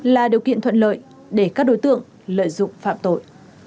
là điều kiện thuận lợi để các đối tượng lợi dụng phạm tội